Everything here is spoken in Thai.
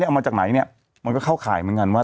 เอามาจากไหนเนี่ยมันก็เข้าข่ายเหมือนกันว่า